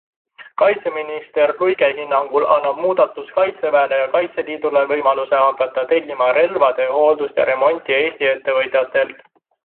Kaitseminister Luige hinnangul annab muudatus kaitseväele ja Kaitseliidule võimaluse hakata tellima relvade hooldust ja remonti Eesti ettevõtjatelt.